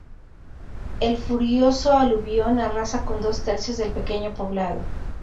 El furioso aluvión arrasa con dos tercios del pequeño poblado.